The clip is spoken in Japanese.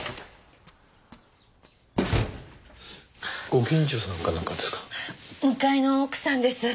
ご近所さんかなんかですか？